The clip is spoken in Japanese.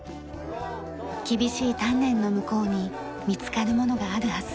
厳しい鍛錬の向こうに見つかるものがあるはず。